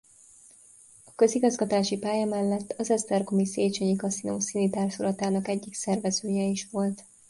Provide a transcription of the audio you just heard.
A közigazgatási pálya mellett az esztergomi Széchenyi Kaszinó színi társulatának egyik szervezője is volt.